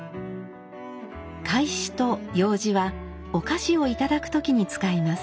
「懐紙」と「楊枝」はお菓子を頂く時に使います。